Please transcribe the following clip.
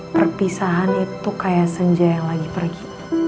perpisahan itu kayak senja yang lagi pergi